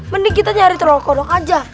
mending kita nyari trol kodok aja